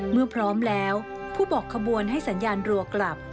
เมื่อพร้อมแล้วผู้บอกขบวนให้สัญญาณรัวกลับ